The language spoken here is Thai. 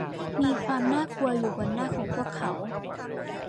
มีความน่ากลัวอยู่บนหน้าของพวกเขา